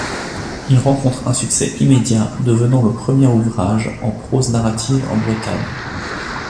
Il rencontre un succès immédiat, devenant le premier ouvrage en prose narrative en Bretagne.